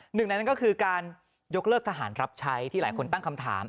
หนึ่งในนั้นก็คือการยกเลิกทหารรับใช้ที่หลายคนตั้งคำถาม